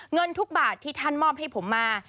เงินทุกบาทที่ท่านมอบให้ผมมา